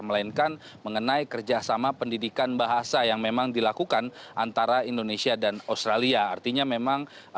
melainkan mengenai kerjasama pendidikan bahasa yang memang dilakukan antara indonesia dan australia artinya memang